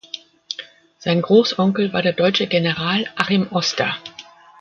Sein Großonkel war der deutsche General Achim Oster.